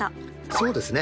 そうですね。